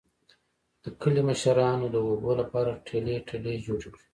د کلي مشرانو د اوبو لپاره ټلۍ ټلۍ جوړې کړې